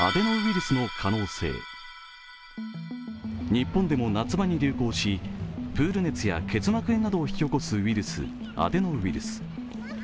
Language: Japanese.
日本でも夏場に流行し、プール熱や結膜炎などを引き起こすウイルス、アデノウイルス。